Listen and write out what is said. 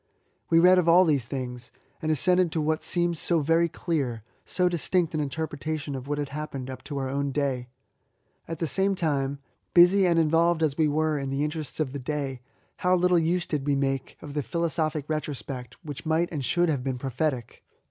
We read of all these things, and assented to what seemed so very clear — so distinct an interpretation 0f what had happened up to our own day. At the 70 ESSAYS. same time, busy and involved as we were in the interests of the day, how little use did "^e make of the philosophic retrospect, which might and should have been prophetic